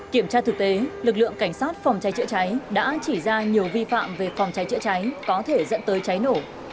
kiểm tra thực tế lực lượng cảnh sát phòng cháy chữa cháy đã chỉ ra nhiều vi phạm về phòng cháy chữa cháy có thể dẫn tới cháy nổ